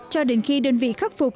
cho đến khi đơn vị khắc phục